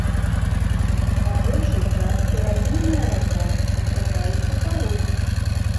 Па большай частцы раўнінная рака, сустракаюцца парогі.